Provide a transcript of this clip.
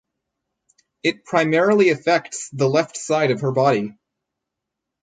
It primarily affects the left side of her body.